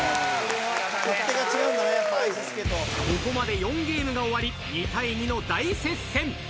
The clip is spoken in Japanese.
［ここまで４ゲームが終わり２対２の大接戦］